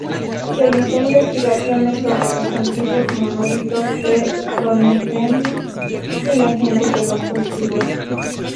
Realizó investigaciones sobre los antiguos monolitos de Stonehenge y la gente que los construyó.